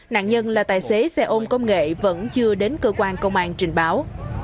nạn nhân là tài xế xe ôm công nghệ vẫn chưa đến cơ quan công an trình báo